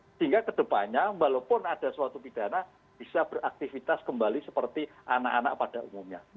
sehingga kedepannya walaupun ada suatu pidana bisa beraktivitas kembali seperti anak anak pada umumnya